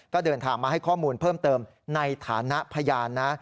ก็เดินทางมาให้ข้อมูลเพิ่มเติมในฐานะพยานนะ